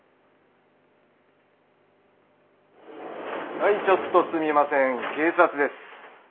・・はいちょっとすみません警察です。